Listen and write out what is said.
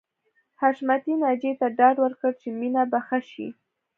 حشمتي ناجیې ته ډاډ ورکړ چې مينه به ښه شي